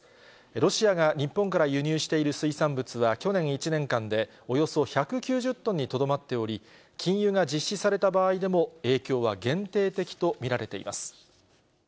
ロシアが日本から輸入している水産物は、去年１年間でおよそ１９０トンにとどまっており、禁輸が実施された場合でも、影響は限定的と見られています。